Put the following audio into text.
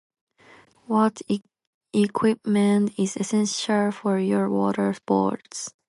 What e-equipment is essential for your water sports?